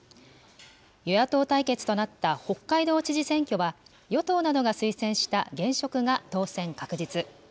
与野党対決となった北海道知事選挙は、与党などが推薦した現職が当選確実。